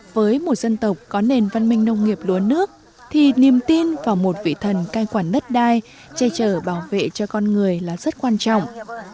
với một dân tộc có nền văn minh nông nghiệp lúa nước thì niềm tin vào một vị thần cai quản đất đai che chở bảo vệ cho con người là rất quan trọng